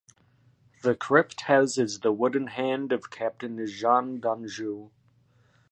The crypt houses the wooden hand of Captain Jean Danjou.